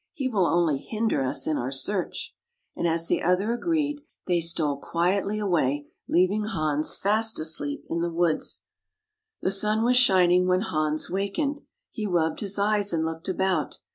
" He will only hinder us in our search." And as the other agreed, they stole quietly away, leav ing Hans fast asleep in the woods. The sun was shining when Hans wakened. He rubbed his eyes and looked about.